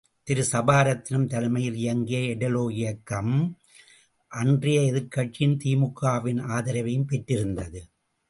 திருசபாரத்தினம் தலைமையில் இயங்கிய எடலோ இயக்கம் அன்றைய எதிர்கட்சியின் திமுகவின் ஆதரவையும் பெற்றிருந்தது.